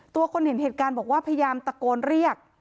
คนเห็นเหตุการณ์บอกว่าพยายามตะโกนเรียก